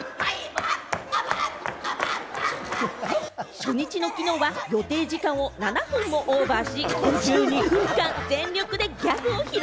初日のきのうは予定時間を７分もオーバーし、５２分間全力でギャグを披露。